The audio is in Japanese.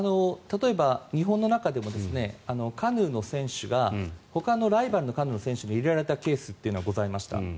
例えば日本の中でもカヌーの選手がほかのライバルのカヌーの選手に入れられたケースがございました。